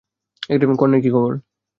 কর্ণের কী খবর?